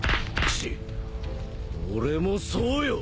チッ俺もそうよ！